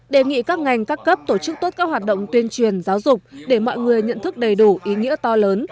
đề nghị các ngành các cấp tổ chức tốt các hoạt động tuyên truyền giáo dục để mọi người nhận thức đầy đủ ý nghĩa to lớn